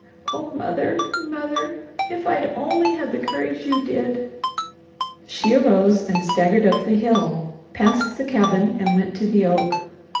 Oh mother, mother! if I'd only had the courage you did." She arose and staggered up the hill, passed the cabin and went to the oak.